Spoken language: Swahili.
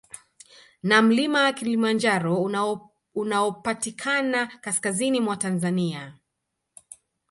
Na mlima Kilimanjaro unaopatikana kaskazini mwa Tanzania